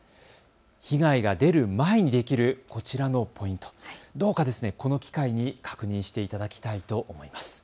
被害が出る前にできるこちらのポイント、どうかこの機会に確認していただきたいと思います。